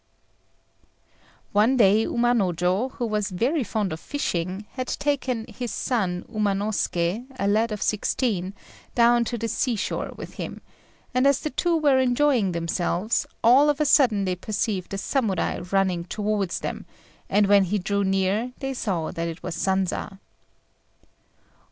One day Umanojô, who was very fond of fishing, had taken his son Umanosuké, a lad of sixteen, down to the sea shore with him; and as the two were enjoying themselves, all of a sudden they perceived a Samurai running towards them, and when he drew near they saw that it was Sanza.